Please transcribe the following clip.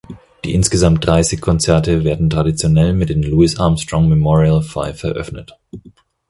Die insgesamt dreißig Konzerte werden traditionell mit den "Louis Armstrong Memorial Five" eröffnet.